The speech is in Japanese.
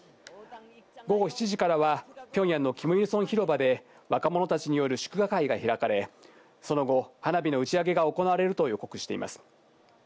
午後７時からは、ピョンヤンのキム・イルソン広場で、若者たちによる祝賀会が開かれ、その後、花火の打ち上げが行われると予告しています。